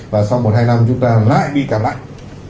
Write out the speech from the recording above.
và sau một hai năm chúng ta lại bị cảm lạnh